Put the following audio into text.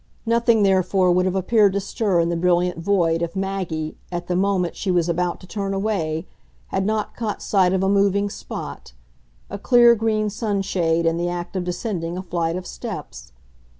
Nothing therefore would have appeared to stir in the brilliant void if Maggie, at the moment she was about to turn away, had not caught sight of a moving spot, a clear green sunshade in the act of descending a flight of steps.